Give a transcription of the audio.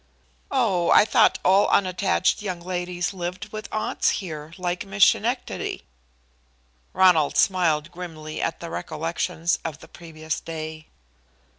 "Oh, I thought all unattached young ladies lived with aunts here, like Miss Schenectady." Ronald smiled grimly at the recollections of the previous day.